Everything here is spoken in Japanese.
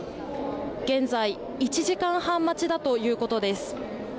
現在、１時間半待ちだということです。